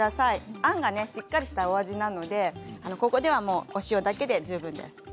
あんが、しっかりしたお味なのでここは、お塩だけで十分です。